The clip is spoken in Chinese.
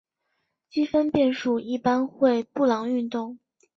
积分变数一般会布朗运动。